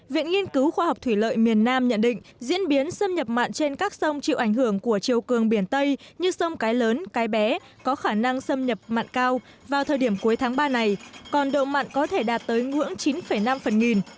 viện nghiên cứu khoa học thủy lợi miền nam nhận định diễn biến xâm nhập mặn trên các sông chịu ảnh hưởng của chiều cường biển tây như sông cái lớn cái bé có khả năng xâm nhập mặn cao vào thời điểm cuối tháng ba này còn độ mặn có thể đạt tới ngưỡng chín năm phần nghìn